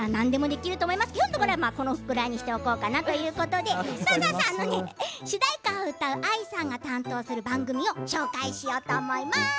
きょうはこのぐらいにしておこうかなということで主題歌を歌うＡＩさんが担当する番組を紹介しようと思います。